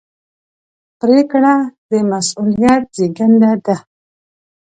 پرېکړه د مسؤلیت زېږنده ده.